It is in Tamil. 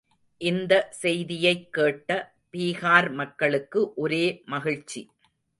இந்த செய்தியைக் கேட்ட பீகார் மக்களுக்கு ஒரே மகிழ்ச்சி.